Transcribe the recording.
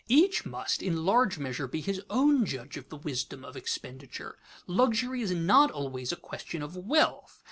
Each must in large measure be his own judge of the wisdom of expenditure. Luxury is not always a question of wealth.